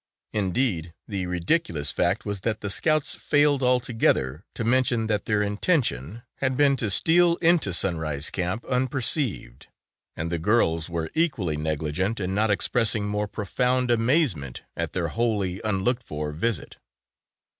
Indeed, the ridiculous fact was that the Scouts failed altogether to mention that their intention had been to steal into Sunrise Camp unperceived, and the girls were equally negligent in not expressing more profound amazement at their wholly unlooked for visit.